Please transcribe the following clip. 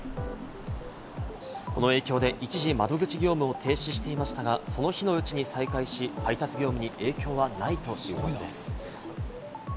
この影響で一時、窓口業務を停止していましたが、その日のうちに再開し、配達業務に影響はないということです。